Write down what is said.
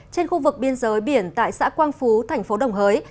trên khu vực biên giới biển tại xã quang phú thành phố đồng hới